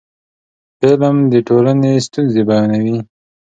فلم د ټولنې ستونزې بیانوي